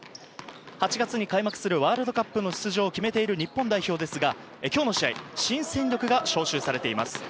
８月に開幕するワールドカップの出場を決めている日本代表ですが、今日の試合、新戦力が招集されています。